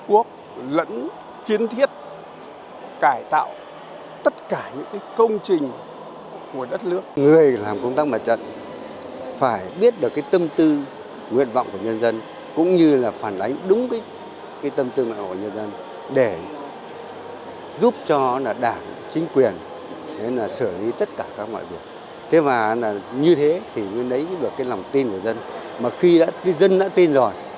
quốc hội chính quyền và các tầng lớp nhân dân là cầu nối vững chắc truyền tài ý chí nguyện vọng của nhân dân là cầu nối vững chắc truyền tài ý chí nguyện vọng của nhân dân